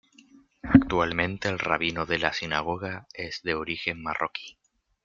Actualmente, el rabino de la sinagoga es de origen marroquí.